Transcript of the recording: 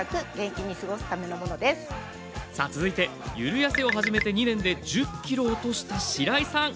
続いてゆるやせを始めて２年で１０ｋｇ落としたしらいさん。